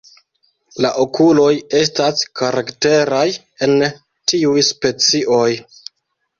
La okuloj estas karakteraj en tiuj specioj.